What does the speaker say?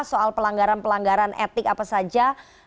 soal pelanggaran pelanggaran etik apa saja